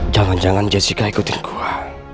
jangan jangan jessica ikutin gue